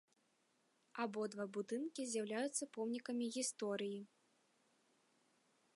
Абодва будынкі з'яўляюцца помнікамі гісторыі.